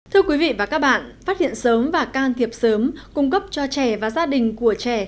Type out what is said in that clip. thưa quý vị và các bạn phát hiện sớm và can thiệp sớm cung cấp cho trẻ và gia đình của trẻ